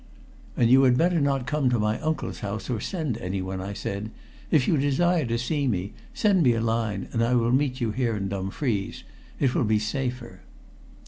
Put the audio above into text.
"And you had better not come to my uncle's house, or send anyone," I said. "If you desire to see me, send me a line and I will meet you here in Dumfries. It will be safer."